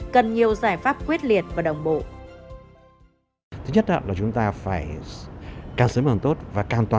cần nhiều giải pháp quyết liệt và đồng bộ